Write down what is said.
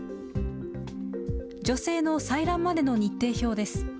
女性の採卵までの日程表です。